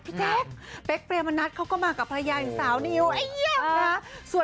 ปรียามนัทเขาก็มากับพระยายนสาวนิว